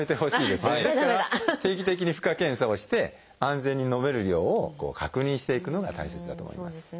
ですから定期的に負荷検査をして安全に飲める量を確認していくのが大切だと思います。